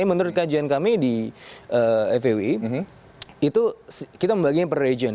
menurut kajian kami di fawi kita membaginya per region